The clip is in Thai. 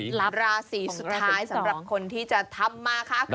ราศีสุดท้ายสำหรับคนที่จะทำมาคะ